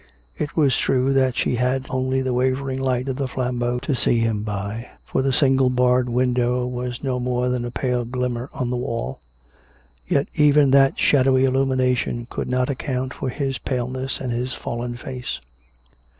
It was true that she had only the wavering light of the flambeau to see him by (for the single barred window was no more than a pale glimmer on the wall), yet even that shadowy illumination could not account for his paleness and his fallen face.